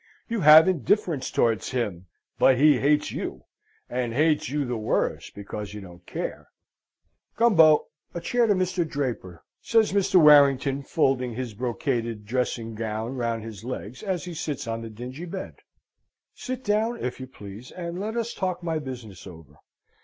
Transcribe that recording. You have indifference towards him, but he hates you, and hates you the worse because you don't care. "Gumbo, a chair to Mr. Draper!" says Mr. Warrington, folding his brocaded dressing gown round his legs as he sits on the dingy bed. "Sit down, if you please, and let us talk my business over.